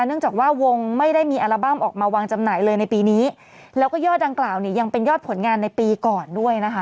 เนื่องจากว่าวงไม่ได้มีอัลบั้มออกมาวางจำหน่ายเลยในปีนี้แล้วก็ยอดดังกล่าวเนี่ยยังเป็นยอดผลงานในปีก่อนด้วยนะคะ